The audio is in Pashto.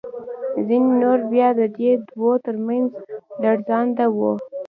ځینې نور بیا د دې دوو تر منځ لړزانده وو.